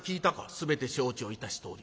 「全て承知をいたしております。